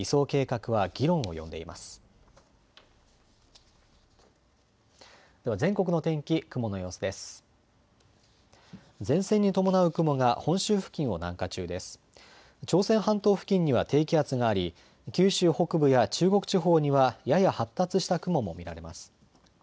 朝鮮半島付近には低気圧があり九州北部や中国地方にはやや発達した雲も見られます。